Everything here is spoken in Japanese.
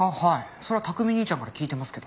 それは琢己兄ちゃんから聞いてますけど。